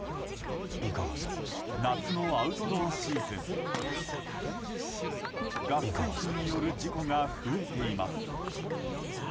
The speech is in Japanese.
夏のアウトドアシーズンガス製品による事故が増えています。